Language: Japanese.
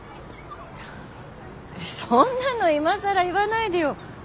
そんなの今更言わないでよ。